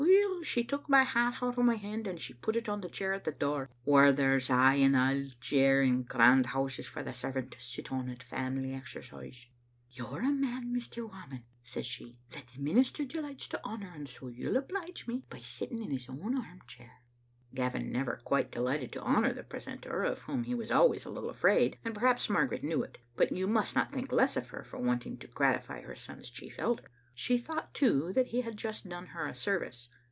Weel, she took my hat out o' my hand, and she put it on the chair at the door, whaur there's aye an auld chair in grand houses for the servant to sit on at family exercise. "'You're a man, Mr. Whamond,' says she, 'that the minister delights to honor, and so you'll oblige me by sitting in his own armchair. '" Gavin never quite delighted to honor the precentor, of whom he was always a little afraid, and perhaps Margaret knew it. But you must not think less of her for wanting to gratify her son's chief elder. She thought, too, that he had just done her a service.